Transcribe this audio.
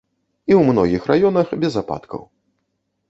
І ў многіх раёнах без ападкаў.